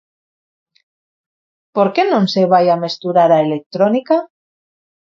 Por que non se vai a mesturar a electrónica?